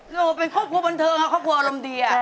เราเป็นครอบครัวบันเทิงครับครอบครัวอารมณ์ดี